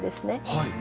はい。